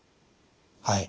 はい。